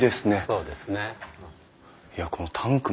そうですね。